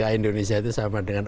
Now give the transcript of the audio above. indonesia itu sama dengan